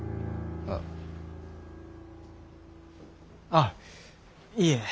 あいいえ。